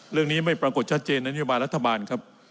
เรื่องนี้ไม่ปรากฏชัดเจนในบรรยาบาลรัฐบาลครับ